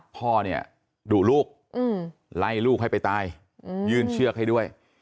พ่อเนี่ยดุลูกไล่ลูกให้ไปตายยื่นเชือกให้ด้วย